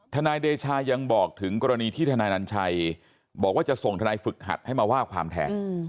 นายเดชายังบอกถึงกรณีที่ทนายนัญชัยบอกว่าจะส่งทนายฝึกหัดให้มาว่าความแทน